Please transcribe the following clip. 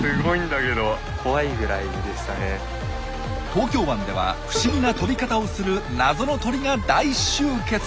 東京湾では不思議な飛び方をする謎の鳥が大集結！